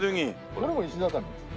これはもう石畳です。